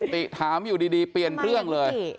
ติถามอยู่ดีเปลี่ยนเรื่องเลย